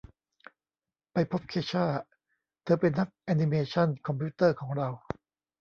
ไปพบเคช่า เธอเป็นนักแอนนิเมชั่นคอมพิวเตอร์ของเรา